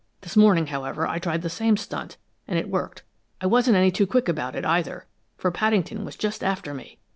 "This morning, however, I tried the same stunt, and it worked. I wasn't any too quick about it, either, for Paddington was just after me.